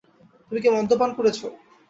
তুমি কি মদ্যপান করেছ?